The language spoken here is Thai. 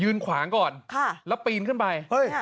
ยืนขวางก่อนค่ะแล้วปีนขึ้นไปเฮ้ย